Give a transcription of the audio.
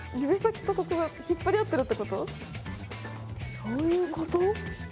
そういうこと？